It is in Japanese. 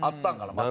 また。